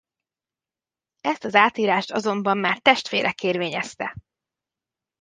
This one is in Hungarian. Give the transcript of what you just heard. Ezt az átírást azonban már testvére kérvényezte.